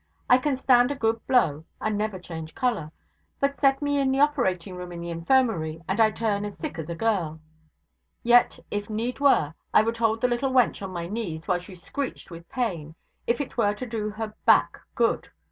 I can stand a good blow, and never change colour; but, set me in the operating room in the infirmary, and I turn as sick as a girl. Yet, if need were, I would hold the little wench on my knees while she screeched with pain, if it were to do her poor back good.